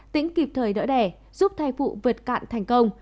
tĩnh kịp thời đỡ đẻ giúp thai phụ vượt cạn thành công